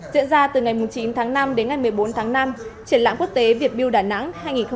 diễn ra từ ngày chín tháng năm đến ngày một mươi bốn tháng năm triển lãm quốc tế việt build đà nẵng hai nghìn một mươi chín